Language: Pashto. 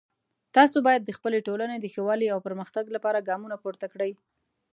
تاسو باید د خپلې ټولنې د ښه والی او پرمختګ لپاره ګامونه پورته کړئ